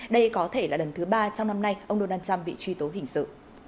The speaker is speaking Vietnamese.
đây có thể là lần thứ ba trong năm nay ông donald trump bị truy tố hình sự